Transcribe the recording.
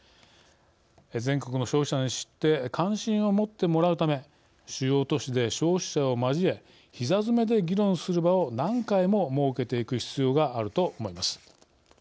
全国の消費者に知って関心を持ってもらうため主要都市で消費者を交えひざ詰めで議論する場を何回も設けていく必要があると思います。